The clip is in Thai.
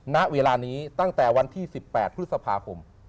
ณเวลานี้ตั้งแต่วันที่๑๘พฤษภาคม